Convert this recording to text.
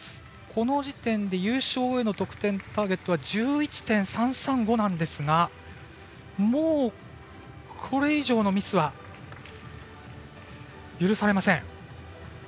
この時点で優勝への得点ターゲットは１１．３３５なんですがもう、これ以上のミスは許されません。